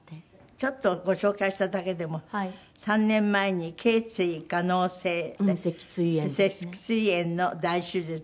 ちょっとご紹介しただけでも３年前に頚椎化膿性脊椎炎の大手術。